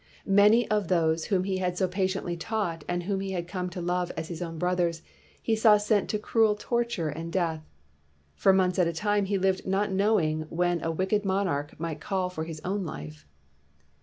Many of those whom he had so patiently taught and whom he had come to love as his own brothers, he saw sent to cruel torture and death. For months at a time he lived not knowing when a wicked monarch might call for his own life.